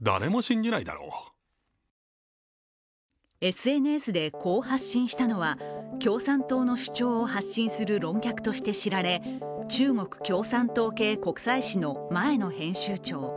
ＳＮＳでこう発信したのは共産党の主張を発信する論客として知られ、中国共産党系国際紙の前の編集長。